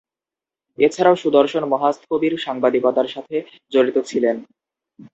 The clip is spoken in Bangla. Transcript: এছাড়াও সুদর্শন মহাস্থবির সাংবাদিকতার সাথে জড়িত ছিলেন।